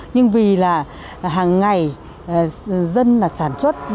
nhưng vì là hàng ngày dân sản xuất